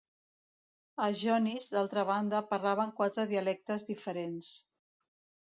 Els jonis, d'altra banda, parlaven quatre dialectes diferents.